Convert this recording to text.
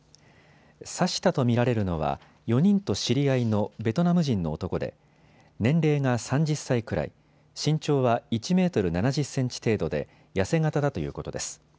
刺したと見られるのは４人と知り合いのベトナム人の男で年齢が３０歳くらい、身長は１メートル７０センチ程度で痩せ型だということです。